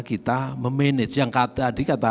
kita memanage yang tadi kata